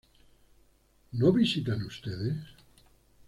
¿No visitan ustedes?